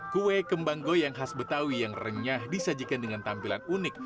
kue kembang goyang khas betawi yang renyah disajikan dengan tampilan unik